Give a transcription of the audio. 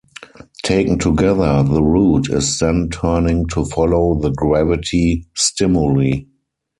Taken together, the root is then turning to follow the gravity stimuli.